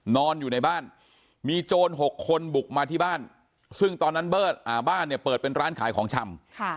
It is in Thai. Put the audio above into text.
นอนอยู่ในบ้านมีโจร๖คนบุกมาที่บ้านซึ่งตอนนั้นบ้านเนี่ยเปิดเป็นร้านขายของชำ